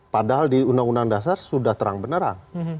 padahal di undang undang dasar sudah terang beneran